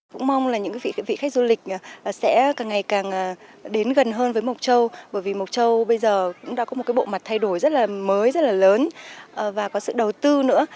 cũng mong là những vị khách du lịch sẽ càng ngày càng đến gần hơn với mộc châu bởi vì mộc châu bây giờ cũng đã có một cái bộ mặt thay đổi rất là mới rất là lớn và có sự đầu tư nữa